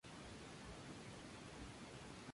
Toulouse se coronó por tercera vez como Campeón de Europa.